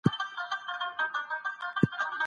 د موضوعاتو تنوع د علمي فقر مخه نيسي.